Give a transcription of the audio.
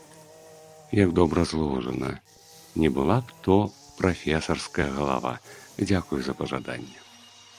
Як добра зложана, не была б то прафесарская галава, дзякую за пажаданне.